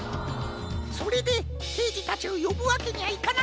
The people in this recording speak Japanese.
それでけいじたちをよぶわけにはいかなかったんじゃ。